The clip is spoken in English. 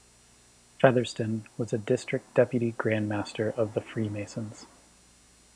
Featherston was a District Deputy Grand Master of the Freemasons.